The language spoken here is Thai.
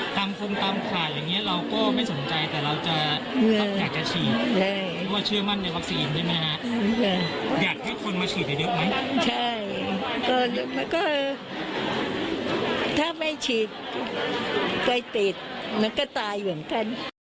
ถ้าไม่ฉีดไปติดมันก็ตายเหมือนกัน